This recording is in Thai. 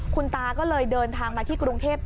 คุณตาก็เลยเดินทางมาที่กรุงเทพฯ